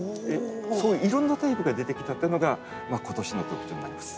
すごいいろんなタイプが出てきたっていうのが今年の特徴になります。